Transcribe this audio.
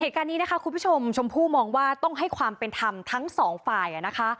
เหตุการณ์นี้นะคะคุณผู้ชมชมพู่มองว่าต้องให้ความเป็นธรรมทั้งสองฝ่ายนะคะ